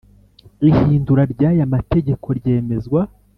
Ihindura ry aya mategeko ryemezwa